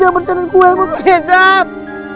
jangan bercanda gue koto kecap